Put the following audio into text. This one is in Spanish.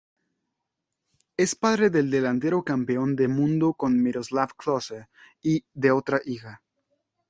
Es padre del delantero campeón del mundo con Miroslav Klose y de otra hija.